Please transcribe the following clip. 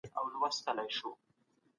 که نبض ونه لري، ناروغ مړ ګڼل کېده.